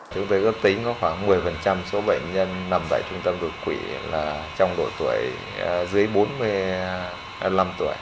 chúng tôi ước tính có khoảng một mươi số bệnh nhân nằm tại trung tâm đột quỵ là trong độ tuổi dưới bốn mươi năm tuổi